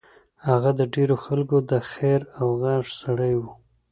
هغه د ډېرو خلکو د خېر او غږ سړی و.